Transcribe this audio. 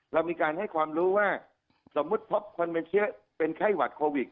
เรามีการให้ความรู้ว่าสมมุติพบคนเป็นเชื้อเป็นไข้หวัดโควิด